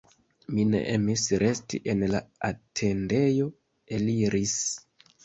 Mi ne emis resti en la atendejo, eliris.